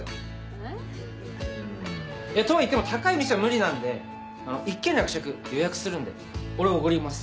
えっ？とは言っても高い店は無理なんで一件楽着予約するんで俺おごります。